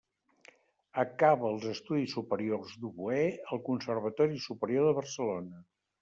Acaba els estudis superiors d'oboè al Conservatori Superior de Barcelona.